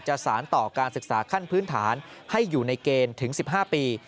สารต่อการศึกษาขั้นพื้นฐานให้อยู่ในเกณฑ์ถึง๑๕ปี